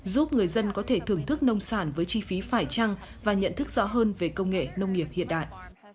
giúp người dân có thể thưởng thức nông sản với chi phí phải trăng và nhận thức rõ hơn về công nghệ nông nghiệp hiện đại